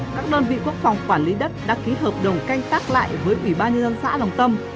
các đơn vị quốc phòng quản lý đất đã ký hợp đồng canh tác lại với ủy ban nhân dân xã lòng tâm